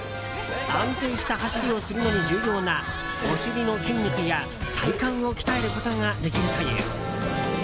安定した走りをするのに重要なお尻の筋肉や体幹を鍛えることができるという。